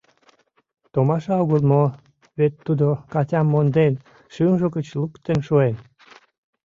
Томаша огыл мо, вет тудо Катям монден, шӱмжӧ гыч луктын шуэн.